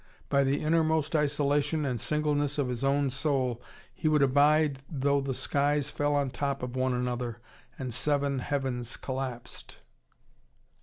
By the innermost isolation and singleness of his own soul he would abide though the skies fell on top of one another, and seven heavens collapsed.